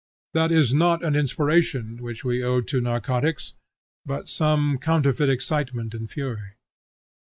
That is not an inspiration, which we owe to narcotics, but some counterfeit excitement and fury.